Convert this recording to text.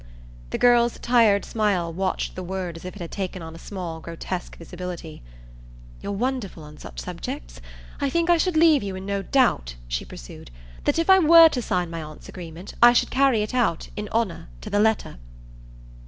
The girl's tired smile watched the word as if it had taken on a small grotesque visibility. "You're wonderful on such subjects! I think I should leave you in no doubt," she pursued, "that if I were to sign my aunt's agreement I should carry it out, in honour, to the letter."